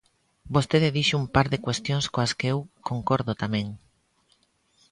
Vostede dixo un par de cuestións coas que eu concordo tamén.